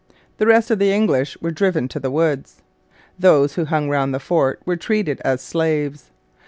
The rest of the English were driven to the woods. Those who hung round the fort were treated as slaves.